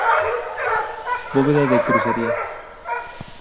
Bóveda de crucería.